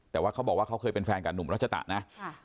แต่ว่าเขาบอกว่าเขาเคยเป็นแฟนกับหนุ่มรัชตะนะ